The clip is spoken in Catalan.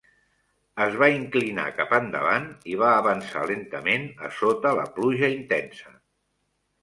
Es va inclinar cap endavant i va avançar lentament a sota la pluja intensa.